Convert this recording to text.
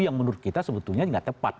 yang menurut kita sebetulnya tidak tepat